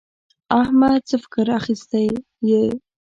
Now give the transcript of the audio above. احمده څه فکر اخيستی يې؟